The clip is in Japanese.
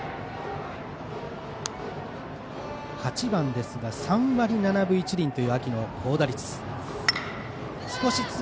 ８番ですが３割７分１厘という秋の高打率。